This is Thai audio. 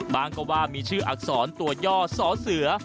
ก็ว่ามีชื่ออักษรตัวย่อสอเสือ